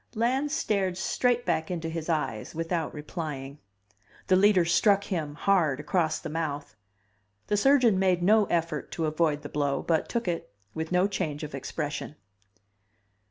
Lans stared straight back into his eyes without replying. The Leader struck him, hard, across the mouth. The surgeon made no effort to avoid the blow, but took it, with no change of expression.